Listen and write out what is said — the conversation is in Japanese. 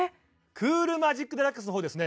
クールマジックデラックスの方ですね